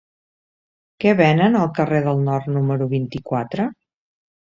Què venen al carrer del Nord número vint-i-quatre?